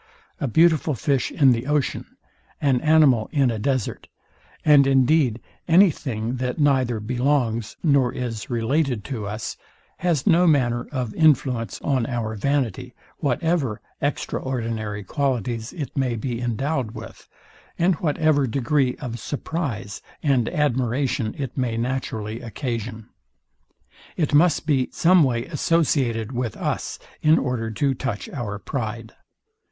A beautiful fish in the ocean, an animal in a desert, and indeed any thing that neither belongs, nor is related to us, has no manner of influence on our vanity, whatever extraordinary qualities it may be endowed with, and whatever degree of surprize and admiration it may naturally occasion. It must be some way associated with us in order to touch our pride.